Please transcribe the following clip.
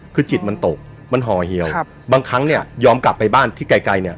คือจิตมันตกมันห่อเหี่ยวบางครั้งเนี่ยยอมกลับไปบ้านที่ไกลไกลเนี่ย